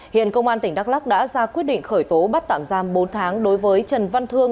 hiện công an tỉnh đắk lắc đã ra quyết định khởi tố bắt tạm giam bốn tháng đối với trần văn thương